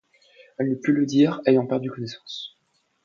Elle ne put le dire, ayant perdu connaissance.